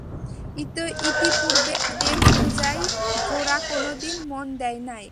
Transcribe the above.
ইতিপূর্বে দেবপূজায় গোরা কোনোদিন মন দেয় নাই।